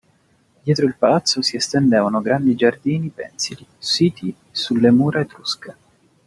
Dietro il palazzo si estendevano grandi giardini pensili, siti sulle mura etrusche.